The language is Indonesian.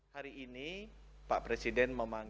hari ini pak presiden memanfaatkan